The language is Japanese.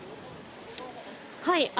はい。